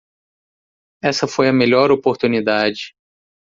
Essa foi a melhor oportunidade.